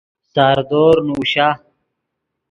ساردور نوشا